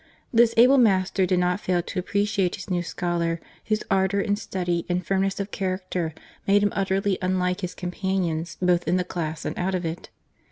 This able master did not fail to appreciate his new scholar, whose ardour in study and firmness of character made him utterly unlike his companions both in the class and out of it.